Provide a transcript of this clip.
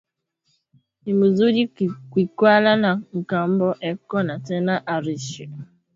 Ni muzuri kwikala na mkambo eko na teka arishi